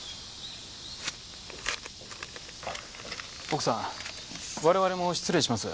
奥さん我々も失礼します。